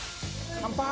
乾杯。